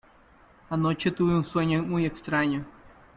Anoche tuve un sueño muy extraño.